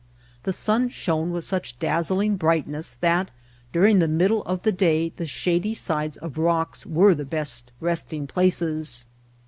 The sun shone with such dazzling brightness that during the middle of the day the shady sides of rocks were the best resting places.